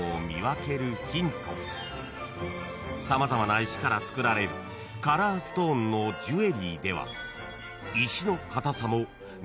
［様々な石から作られるカラーストーンのジュエリーでは石の硬さも値段を決める